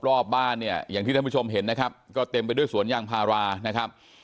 รอบบ้านเนี่ยอย่างที่ท่านผู้ชมเห็นนะครับก็เต็มไปด้วยสวนยางพารานะครับ